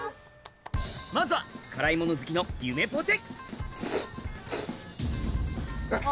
まずは辛い物好きのゆめぽて